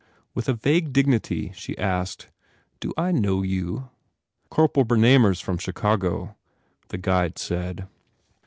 With a vague dignity she asked, "Do I know you?" "Corporal Bernamer s from Chicago," the guide said.